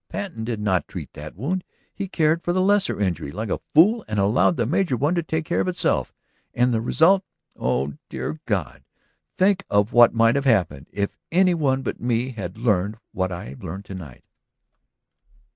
Patten did not treat that wound; he cared for the lesser injury like a fool and allowed the major one to take care of itself. And the result ... Oh, dear God! Think of what might have happened. If any one but me had learned what I have learned to night."